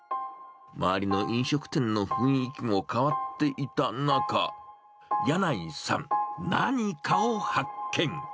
周りの飲食店の雰囲気も変わっていた中、やないさん、何かを発見。